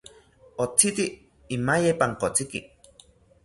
Otzitzi imaye pankotziki